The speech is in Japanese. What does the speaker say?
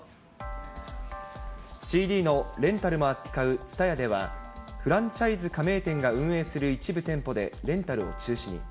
ＣＤのレンタルも扱うＴＳＵＴＡＹＡでは、フランチャイズ加盟店が運営する一部店舗でレンタルを中止に。